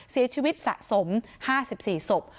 เสียชีวิตสะสม๕๔ศพ